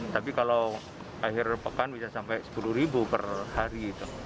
tapi kalau akhir pekan bisa sampai sepuluh ribu per hari